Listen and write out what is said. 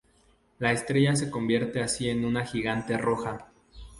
La estrella se convierte así en una gigante roja.